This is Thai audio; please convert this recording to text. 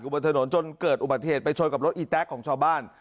บนถนนจนเกิดอุบัติเหตุไปชนกับรถอีแต๊กของชาวบ้าน